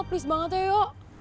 please banget ya yo